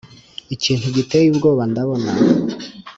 ikintu giteye ubwoba ndabona